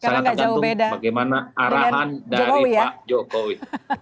sangat tergantung bagaimana arahan dari pak jokowi